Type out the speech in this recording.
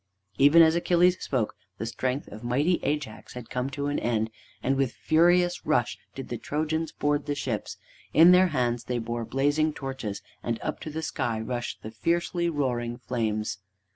Even as Achilles spoke, the strength of mighty Ajax had come to an end, and with furious rush did the Trojans board the ships. In their hands they bore blazing torches, and up to the sky rushed the fiercely roaring flames.